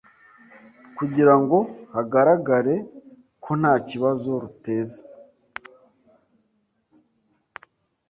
kugira ngo hagaragare ko nta kibazo ruteza